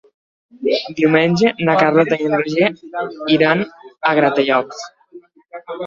Diumenge na Carlota i en Roger iran a Gratallops.